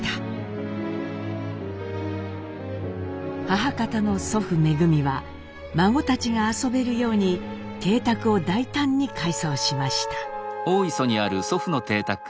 母方の祖父恩は孫たちが遊べるように邸宅を大胆に改装しました。